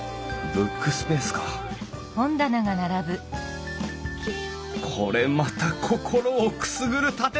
ブックスペースかこれまた心をくすぐる建物雑誌。